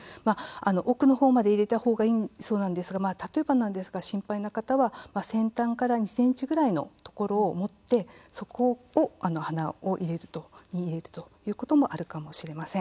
奥の方まで入れた方がいいそうなんですが例えばなんですが心配な方は先端から２ｃｍぐらいのところを持って、そこを鼻に入れるということもあるかもしれません。